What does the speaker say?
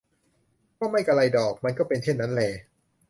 ก็ไม่กระไรดอก มันก็เป็นเช่นนั้นแล